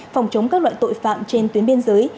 phòng chống các loại tội phạm trên tuyến biên giới